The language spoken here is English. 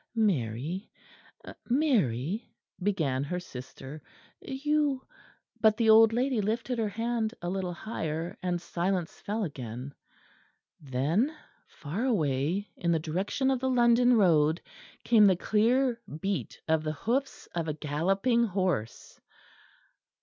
"Mary, Mary," began her sister, "you ;" but the old lady lifted her hand a little higher; and silence fell again. Then far away in the direction of the London road came the clear beat of the hoofs of a galloping horse.